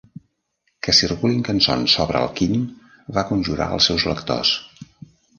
"Que circulin cançons sobre el quim", va conjurar als seus lectors.